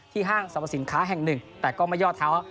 ห้างสรรพสินค้าแห่งหนึ่งแต่ก็ไม่ยอดเท้า